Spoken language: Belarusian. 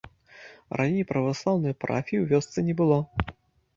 Раней праваслаўнай парафіі ў вёсцы не было.